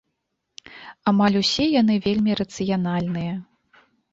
Амаль усе яны вельмі рацыянальныя.